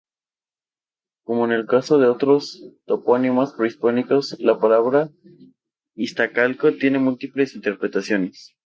Como en el caso de otros topónimos prehispánicos, la palabra Iztacalco tiene múltiples interpretaciones.